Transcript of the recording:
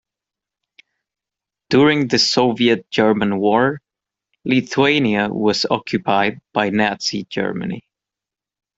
During the Soviet-German War, Lithuania was occupied by Nazi Germany.